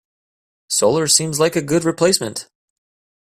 Solar seems like a good replacement.